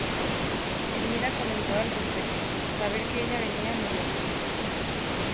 Hermida comentó al respecto: "Saber que ella venía me dio fuerzas.